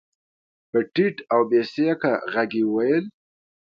په ټيټ او بې سېکه غږ يې وويل.